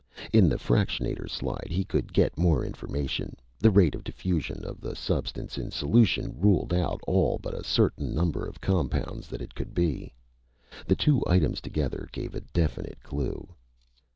In the fractionator slide he could get more information the rate of diffusion of a substance in solution ruled out all but a certain number of compounds that it could be. The two items together gave a definite clue.